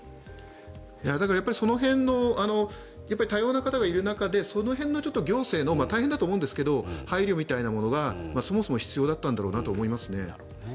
その辺の対応がいる中で行政の方の大変だと思うんですけど配慮みたいなものがそもそも必要だったんだろうなと思いますね。